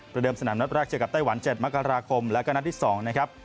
เดิมสนามนัดแรกเจอกับไต้หวัน๗มกราคมแล้วก็นัดที่๒นะครับ